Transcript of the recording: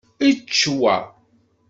Ečč wa.